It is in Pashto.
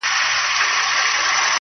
هم پخپله څاه کینو هم پکښي لوېږو،